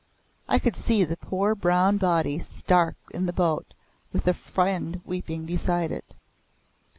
I could see the poor brown body stark in the boat with a friend weeping beside it.